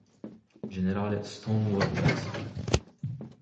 Gen. "Stonewall" Jackson.